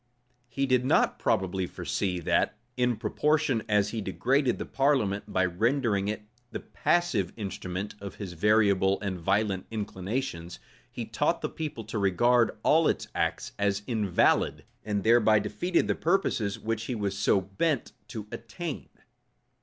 He did not probably foresee that, in proportion as he degraded the parliament, by rendering it the passive instrument of his variable and violent inclinations, he taught the people to regard all its acts as invalid, and thereby defeated even the purposes which he was so bent to attain.